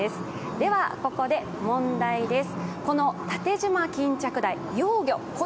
では、ここで問題です。